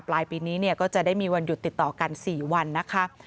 ปลายปีนี้เนี่ยก็จะได้มีวันหยุดติดต่อกัน๔วันนะคะ